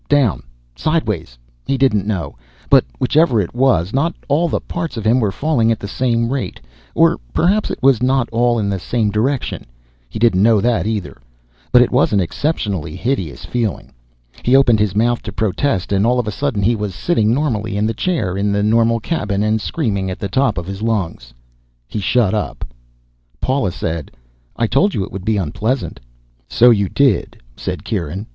Down? Sideways? He didn't know, but whichever it was not all the parts of him were falling at the same rate, or perhaps it was not all in the same direction, he didn't know that either, but it was an exceptionally hideous feeling. He opened his mouth to protest, and all of a sudden he was sitting normally in the chair in the normal cabin and screaming at the top of his lungs. He shut up. Paula said, "I told you it would be unpleasant." "So you did," said Kieran.